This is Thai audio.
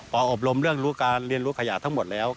พออบรมเรื่องรู้การเรียนรู้ขยะทั้งหมดแล้ว